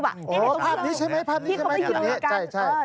ภาพนี้ใช่ไหมภาพนี้ใช่ไหมอย่างนี้ใช่ที่เขาไปยืนกัน